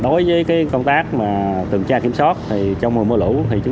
đối với công tác tuần tra kiểm soát trong mùa mưa lũ